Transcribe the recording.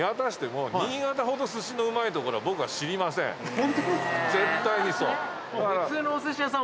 ホントですか？